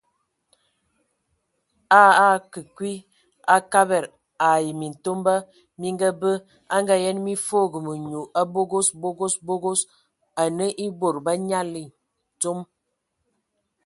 A a akǝ kwi a Kabad ai Mintomba mi ngabǝ, a Ngaayen mi foogo menyu, a bogos, bogos, bogos, anǝ e bod bə anyali dzom.